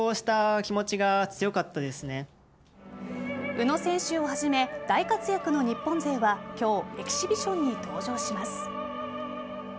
宇野選手をはじめ大活躍の日本勢は今日エキシビションに登場します。